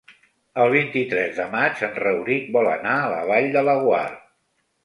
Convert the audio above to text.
El vint-i-tres de maig en Rauric vol anar a la Vall de Laguar.